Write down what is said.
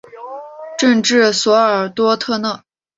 镇治索尔多特纳。